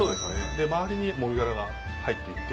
周りにもみ殻が入っていて。